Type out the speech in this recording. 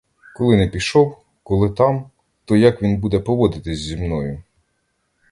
Коли не пішов, коли там, то як він буде поводитись зі мною?